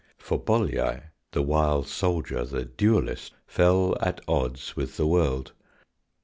For Bolyai, the wild soldier, the duellist, fell at odds with the world.